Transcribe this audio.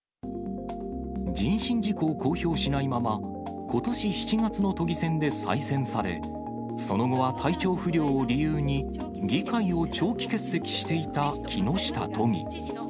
人身事故を公表しないまま、ことし７月の都議選で再選され、その後は体調不良を理由に、議会を長期欠席していた木下都議。